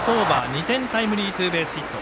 ２点タイムリーツーベースヒット。